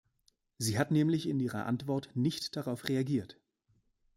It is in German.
Sie hat nämlich in ihrer Antwort nicht darauf reagiert.